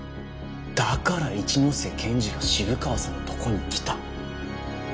だから一ノ瀬検事が渋川さんのとこに来た。